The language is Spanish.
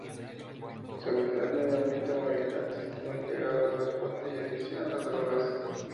Seguridad, Medio Ambiente, Movilidad, Sistema Integrado de Transporte y Adicción a las Drogas.